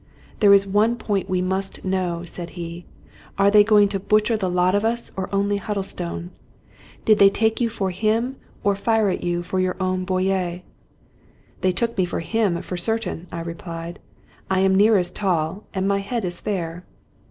" There is one point that we must know," said he. " Are they going to butcher the lot of us, or only Huddlestone? Did they take you for him, or fire at you for your own beaux yeuxf "" They took me for him, for certain," I replied. " I am near as tall, and my head is fair."